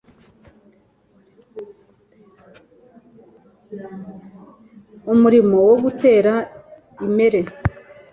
Umurimo wo gutera imere.